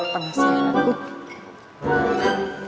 tengah siang aku